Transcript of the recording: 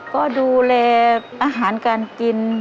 ก็ดูแลอาหารการกิน